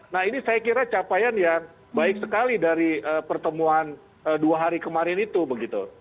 nah ini saya kira capaian yang baik sekali dari pertemuan dua hari kemarin itu begitu